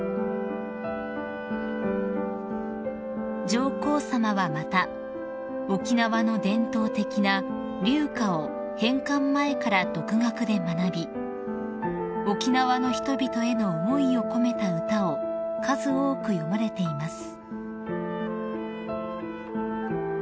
［上皇さまはまた沖縄の伝統的な琉歌を返還前から独学で学び沖縄の人々への思いを込めた歌を数多く詠まれています］